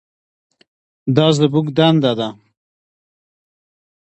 دا زموږ دنده ده.